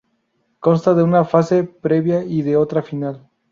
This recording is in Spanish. Consta de una fase previa y de otra final.